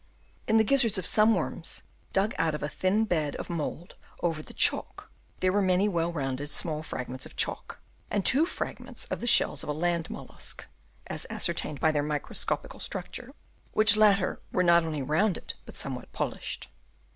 In the 254 DISINTEGEATION Chap. V. gizzards of some worms dug out of a thin bed of mould over the chalk, there were many well rounded small fragments of chalk, and two fragments of the shells of a land mollusc (as ascertained by their microscopical structure), which latter were not only rounded but somewhat polished.